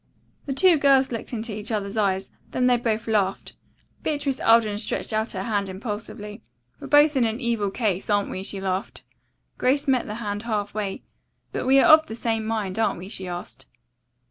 The two girls looked into each other's eyes. Then they both laughed. Beatrice Alden stretched out her hand impulsively. "We're both in an evil case, aren't we?" she laughed. Grace met the hand half way. "But we are of the same mind, aren't we?" she asked.